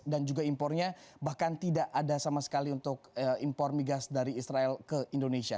dan juga impornya bahkan tidak ada sama sekali untuk impor migas dari israel ke indonesia